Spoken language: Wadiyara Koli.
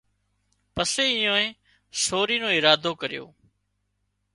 پسي ايئانئي سوري نو ارادو ڪريو